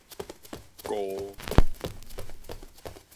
怙